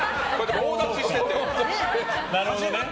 棒立ちしてて。